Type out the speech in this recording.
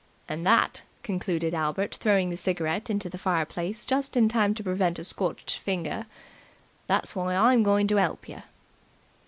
And that," concluded Albert throwing the cigarette into the fire place just in time to prevent a scorched finger, "that's why I'm going to 'elp yer!"